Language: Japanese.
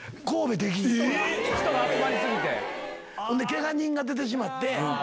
ケガ人が出てしまって。